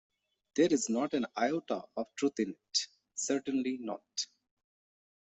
There is not an iota of truth in it, certainly not.